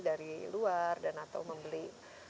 dari luar dan atau membeli